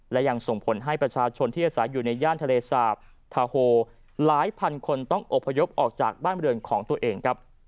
และยังส่งผลให้ประชาชนที่อาศัยอยู่ในย่านทะเลสาปทาโฮหลายพันคนต้องอบพยพออกจากบ้านบริเวณของตัวเองครับ